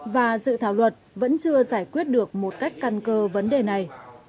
và dự thảo luật vẫn chưa giải quyết được một cách căn cơ vấn đề này